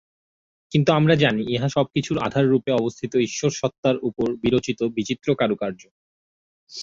কিন্তু আমরা জানি, ইহা সবকিছুর আধাররূপে অবস্থিত ঈশ্বর-সত্তার উপর বিরচিত বিচিত্র কারুকার্য।